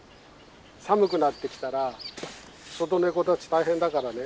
寒くなってきたら外ネコたち大変だからね